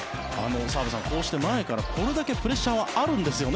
澤部さん、こうして前からこれだけプレッシャーはあるんですよね。